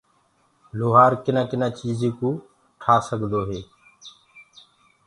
لوهآر ڪنآ ڪنآ چيجين ڪو ٺآ سگدوئي